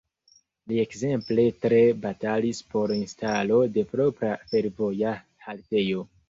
Li ekzemple tre batalis por instalo de propra fervoja haltejo.